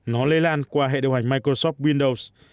nó lây lan qua hệ điều hành microsoft windows